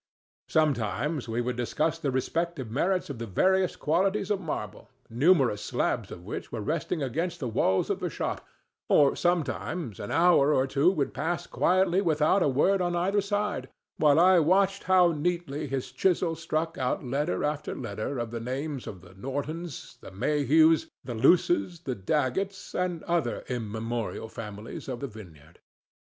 Sometimes we would discuss the respective merits of the various qualities of marble, numerous slabs of which were resting against the walls of the shop, or sometimes an hour or two would pass quietly without a word on either side while I watched how neatly his chisel struck out letter after letter of the names of the Nortons, the Mayhews, the Luces, the Daggets, and other immemorial families of the Vineyard.